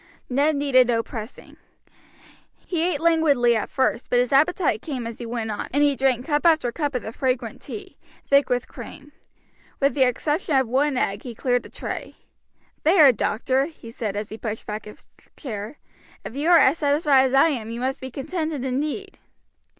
Ned needed no pressing. He ate languidly at first; but his appetite came as he went on, and he drank cup after cup of the fragrant tea, thick with cream. With the exception of one egg, he cleared the tray. "There, doctor!" he said, as he pushed back his chair; "if you are as satisfied as I am you must be contented indeed."